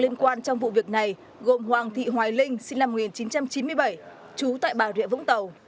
liên quan trong vụ việc này gồm hoàng thị hoài linh sinh năm một nghìn chín trăm chín mươi bảy trú tại bà rịa vũng tàu